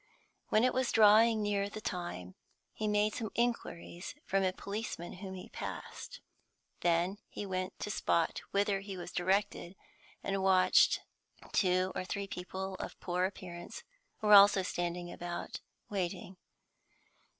When it was drawing near the time, he made some inquiries from a policeman whom he passed. Then he went to the spot whither he was directed, and watched. Two or three people, of poor appearance, were also standing about, waiting.